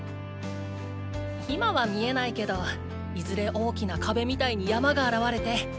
今は見えないけどいずれ大きな壁みたいにヤマが現れて。